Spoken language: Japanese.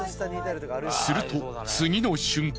すると次の瞬間。